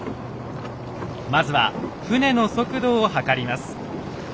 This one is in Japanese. まずは船の速度を測ります。